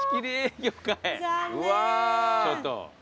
ちょっと。